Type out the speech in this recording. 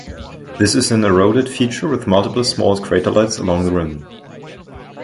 This is an eroded feature with multiple small craterlets along the rim.